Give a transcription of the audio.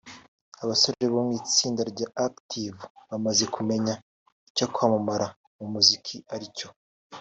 Abasore bo mu itsinda rya Active bamaze kumenya icyo kwamamara mu muziki ari cyo